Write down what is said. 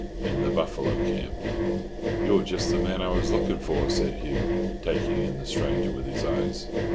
IN THE BUFFALO CAMP. "You're just the man I was looking for," said Hugh, taking in the stranger with his eyes.